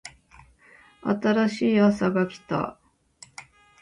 新しいあさが来た